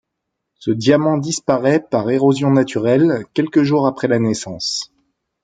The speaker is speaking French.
Ce diamant disparaît par érosion naturelle quelques jours après la naissance.